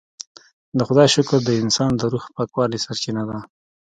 د خدای شکر د انسان د روح پاکوالي سرچینه ده.